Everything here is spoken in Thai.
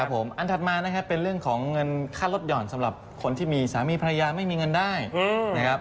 อันถัดมานะครับเป็นเรื่องของเงินค่ารถห่อนสำหรับคนที่มีสามีภรรยาไม่มีเงินได้นะครับ